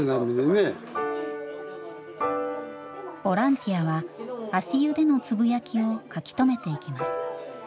ボランティアは足湯でのつぶやきを書き留めていきます。